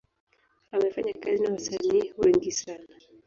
Amefanya kazi na wasanii wengi sana.